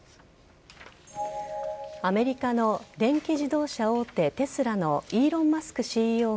アメリカの電気自動車大手・テスラのイーロン・マスク